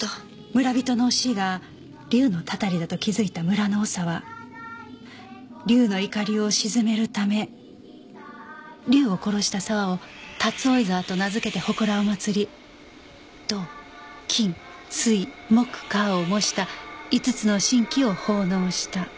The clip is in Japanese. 村人の死が竜のたたりだと気づいた村の長は竜の怒りを鎮めるため竜を殺した沢を竜追沢と名づけて祠をまつり土金水木火を模した５つの神器を奉納した。